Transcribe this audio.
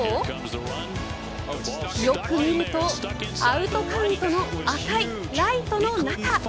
よく見るとアウトカウントの赤いライトの中。